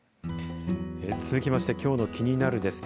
続きましてきょうのキニナル！です